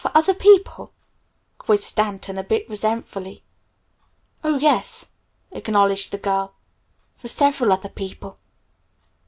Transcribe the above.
"For other people?" quizzed Stanton a bit resentfully. "Oh, yes," acknowledged the girl; "for several other people."